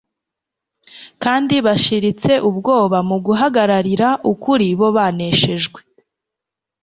kandi bashiritse ubwoba mu guhagararira ukuri bo baneshejwe.